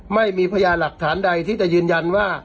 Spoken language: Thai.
ไม่มีพญาหลักฐานใดที่จะยืนยันว่า